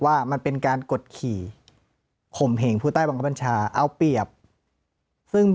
ว่ามันเป็นการกดขี่ข่มเหงผู้ใต้บังคับบัญชาเอาเปรียบซึ่ง